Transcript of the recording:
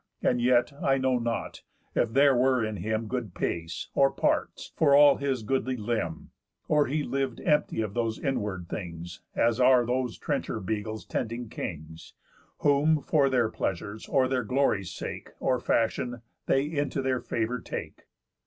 And yet, I know not, if there were in him Good pace, or parts, for all his goodly limb; Or he liv'd empty of those inward things, As are those trencher beagles tending kings, Whom for their pleasure's, or their glory's, sake, Or fashion, they into their favour take."